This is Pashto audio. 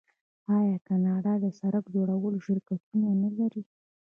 آیا کاناډا د سړک جوړولو شرکتونه نلري؟